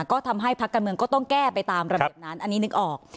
ก็ทำให้พักการเมืองก็ต้องแก้ไปตามระเบียบนั้นอันนี้นึกออก